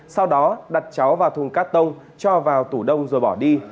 sau đó đặt cháu vào thùng cát tông cho vào tủ đông rồi bỏ đi